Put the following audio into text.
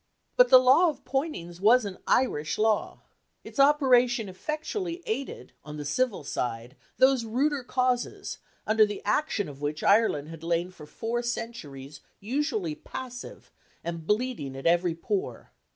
But the Law of Poynings was an Irish Law. Its operation effectually aided on the civil side those ruder causes, under the action of which Ireland had lain for four centuries usually passive, and bleeding at every pore.